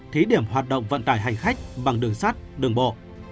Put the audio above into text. thí điểm hoạt động vận tải hành khách bằng đường sắt đường bộ